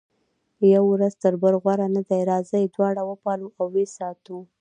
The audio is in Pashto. یو وزر تر بل غوره نه دی، راځئ دواړه وپالو او ویې ساتو.